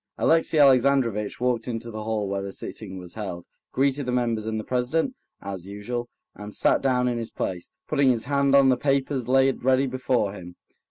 Alexey Alexandrovitch walked into the hall where the sitting was held, greeted the members and the president, as usual, and sat down in his place, putting his hand on the papers laid ready before him.